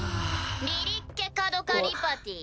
リリッケ・カドカ・リパティ。